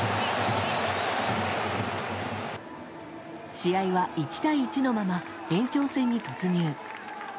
試合は１対１のまま延長戦に突入。